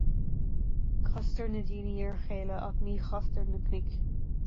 Castar na daoine ar a chéile, ach ní chastar na cnoic